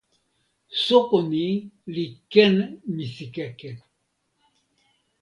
soko ni li ken misikeke!